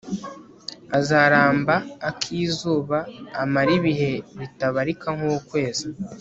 azaramba ak'izuba, amare ibihe bitabarika nk'ukwezi